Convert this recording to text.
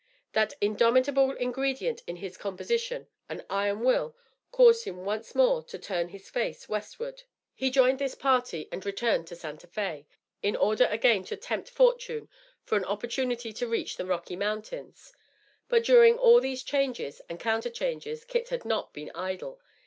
That indomitable ingredient in his composition, an iron will, caused him once more to turn his face westward. He joined this party and returned to Santa Fé, in order again to tempt fortune for an opportunity to reach the Rocky Mountains. But during all these changes and counterchanges Kit had not been idle.